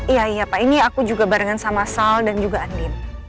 iya iya pak ini aku juga barengan sama sal dan juga andin